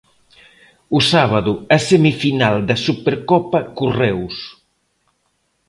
O sábado a semifinal da Supercopa co Reus.